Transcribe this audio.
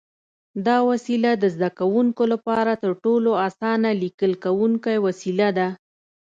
دا وسیله د زده کوونکو لپاره تر ټولو اسانه لیکل کوونکی وسیله ده.